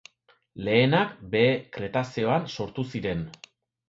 Lehenak Behe Kretazeoan sortu ziren.